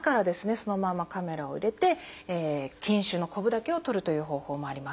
そのままカメラを入れて筋腫のコブだけを取るという方法もあります。